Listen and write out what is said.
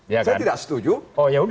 saya tidak setuju